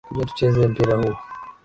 Kuja tucheze mpira huu.